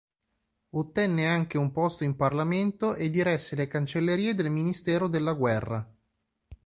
Ottenne anche un posto in parlamento e diresse le cancellerie del ministero della guerra.